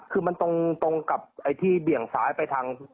คือมันตรงกับไอ้ที่เบี่ยงซ้ายไปทาง